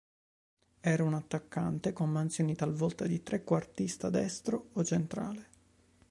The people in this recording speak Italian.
Era un attaccante, con mansioni talvolta di trequartista destro o centrale.